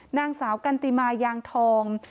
นางสาวกันติมายางทอง